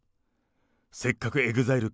せっかくＥＸＩＬＥ